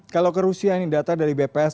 kalau ke rusia ini data dari bps